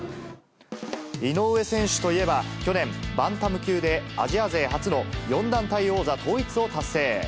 井上選手といえば、去年、バンタム級でアジア勢初の４団体王座統一を達成。